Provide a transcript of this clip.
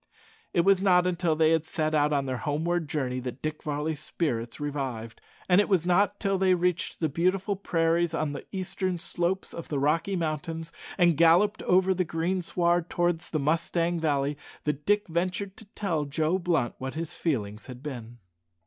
It was not till they had set out on their homeward journey that Dick Varley's spirits revived, and it was not till they reached the beautiful prairies on the eastern slopes of the Rocky Mountains, and galloped over the greensward towards the Mustang Valley, that Dick ventured to tell Joe Blunt what his feelings had been.